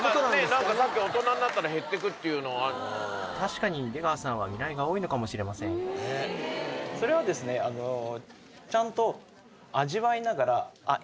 何かさっき大人になったら減ってくっていうのは確かに出川さんは味蕾が多いのかもしれませんそれはですねあのちゃんと味わいながらあっ